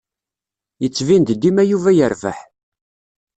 Yettbin-d dima Yuba yerbeḥ.